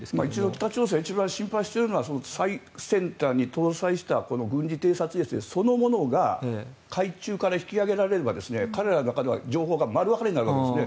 北朝鮮が一番心配しているのは最先端に搭載した軍事偵察衛星そのものが海中から引き揚げられれば彼らの中では情報が丸わかりになるわけです。